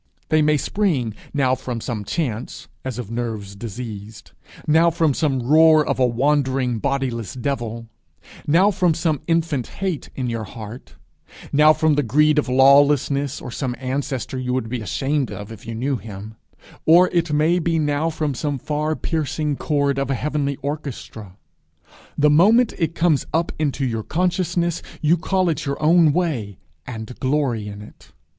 They may spring now from some chance, as of nerves diseased; now from some roar of a wandering bodiless devil; now from some infant hate in your heart; now from the greed or lawlessness of some ancestor you would be ashamed of if you knew him; or it may be now from some far piercing chord of a heavenly orchestra: the moment it comes up into your consciousness, you call it your own way, and glory in it!